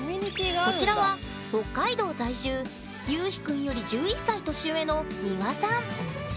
こちらは北海道在住ゆうひくんより１１歳年上の丹羽さん。